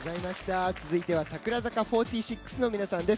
続いては櫻坂４６の皆さんです。